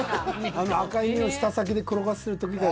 あの赤い実を舌先で転がしてる時が。